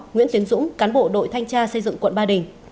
nguyễn tiến dũng cán bộ đội thanh tra xây dựng quận ba đình